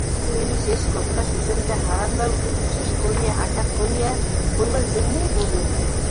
এই শেষ কথাটা সুচরিতা হারানবাবুকে বিশেষ করিয়া আঘাত করিবার জন্যই বলিল।